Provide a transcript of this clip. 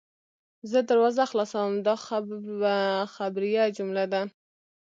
زه دروازه خلاصوم – دا خبریه جمله ده.